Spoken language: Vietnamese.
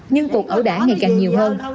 nhưng cuộc ẩu đả ngày càng nhiều hơn